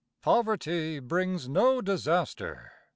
Poverty brings no disaster!